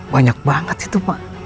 banyak banget itu pak